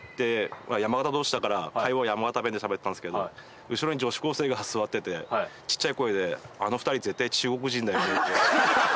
山形どうしだから、会話は山形弁どうしでしゃべったんですけど、後ろに女子高生が座ってて、小っちゃい声で、あの２人、絶対中国人だよねって。